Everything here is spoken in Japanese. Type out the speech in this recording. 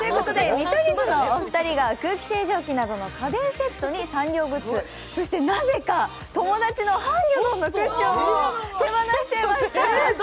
見取り図のお二人が空気清浄機などにサンリオグッズ、そしてなぜか友達のハンギョドンのクッションを手放しちゃいました。